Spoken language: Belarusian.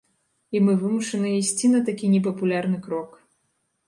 І мы вымушаныя ісці на такі непапулярны крок.